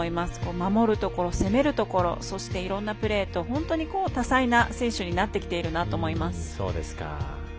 守るところ、攻めるところそしていろんなプレーと多彩な選手になってきていると思います。